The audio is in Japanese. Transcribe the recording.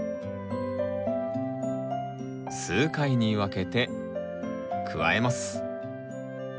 数回に分けて加えます。